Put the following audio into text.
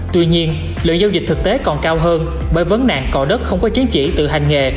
tuy nhiên lượng giao dịch thực tế còn cao hơn bởi vấn nạn cò đất không có chứng chỉ tự hành nghề